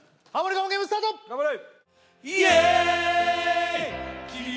我慢ゲームスタート頑張れ！